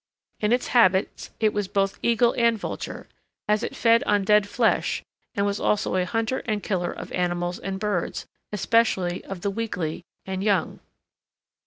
In its habits it was both eagle and vulture, as it fed on dead flesh, and was also a hunter and killer of animals and birds, especially of the weakly and young.